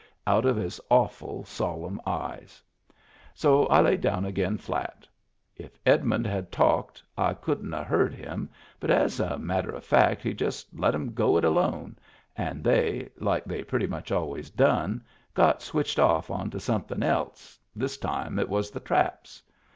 out of his awful solemn eyes; so I laid down again flat If Edmund had talked I couldn't have heard him, but as a matter of fact he just let 'em go it alone; and they, like they pretty much always done, got switched off on to somethin' else — this time it was the traps.